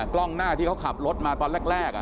กล้องหน้าที่เขาขับรถมาตอนแรก